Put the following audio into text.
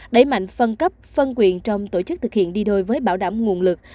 đẩy mạnh phân cấp phân quyền trong tổ chức thực hiện đi đôi với bảo đảm nguồn lực